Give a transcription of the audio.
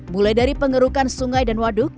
mulai dari pengerukan sungai dan waduk